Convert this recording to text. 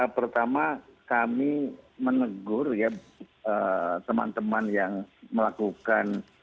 pertama kami menegur ya teman teman yang melakukan